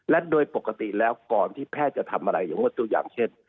และโดยปกติแล้วก่อนที่แพทย์จะทำอะไรอย่างงดตัวอย่างเช่น